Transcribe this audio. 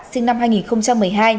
sinh năm hai nghìn một mươi hai